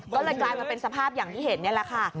ก็ขลายไปเป็นสภาพอย่างที่เห็นเนี่ยละค่ะ